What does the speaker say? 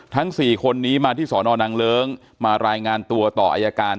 ทั้ง๔คนนี้มาที่สอนอนางเลิ้งมารายงานตัวต่ออายการ